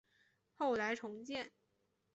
后来重建。